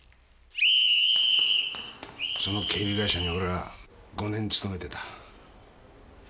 その警備会社に俺は５年勤めてた。